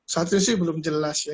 satu sih belum jelas ya